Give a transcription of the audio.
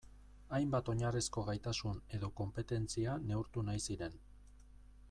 Hainbat oinarrizko gaitasun edo konpetentzia neurtu nahi ziren.